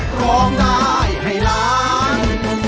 พร้อมได้ให้รัก